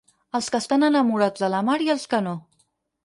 Els que estan enamorats de la mar i els que no.